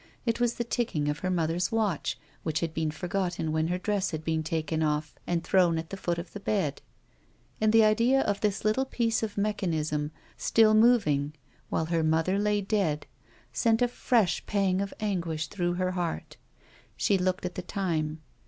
It was the ticking of her mother's watch, A WOMAN'S LIFE. 157 which had been forgotten when her dress had been taken oQ and thrown at the foot of the bed, and the idea of this little piece of mechanism still moving while her mother lay dead, sent a fresh pang of anguish through her heart. She looked at the time.